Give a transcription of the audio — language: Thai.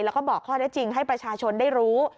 แล้วก็บอกข้อได้จริงให้ประชาชนได้รู้